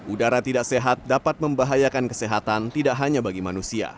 udara tidak sehat dapat membahayakan kesehatan tidak hanya bagi manusia